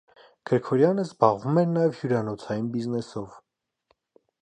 Քըրքորյանը զբաղվում էր նաև հյուրանոցային բիզնեսով։